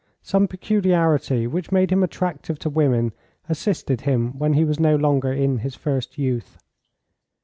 Some peculiarity which made him attractive to women assisted him when he was no longer in his first youth.